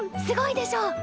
すごいでしょ！